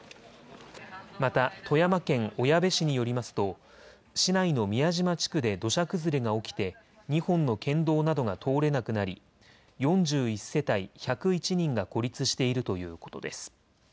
また富山県小矢部市によりますと市内の宮島地区で土砂崩れが起きて２本の県道などが通れなくなり４１世帯１０１人が孤立しているということです。